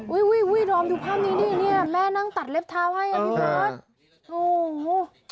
อุ้ยดรอมดูภาพนี้ดิแม่นั่งตัดเล็บเท้าให้อ่ะพี่บอส